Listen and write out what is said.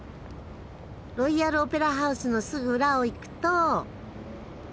ロイヤル・オペラ・ハウスのすぐ裏を行くと。